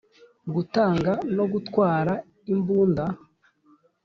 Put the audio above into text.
Gutanga no gutwara imbunda